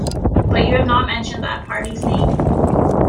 But you have not mentioned that party's name.